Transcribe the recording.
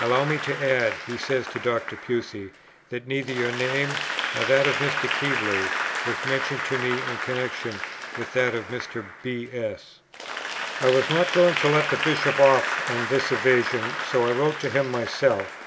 Allow me to add," he says to Dr. Pusey, "that neither your name, nor that of Mr. Keble, was mentioned to me in connexion with that of Mr. B. S." I was not going to let the Bishop off on this evasion, so I wrote to him myself.